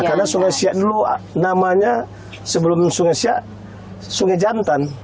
karena sungai siak dulu namanya sebelum sungai siak sungai jantan